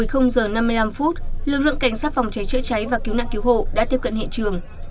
hồi h năm mươi năm lực lượng cảnh sát phòng cháy chữa cháy và cứu nạn cứu hộ đã tiếp cận hiện trường